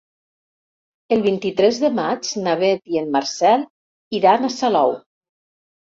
El vint-i-tres de maig na Beth i en Marcel iran a Salou.